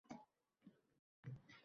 uni yetishtirgan fermer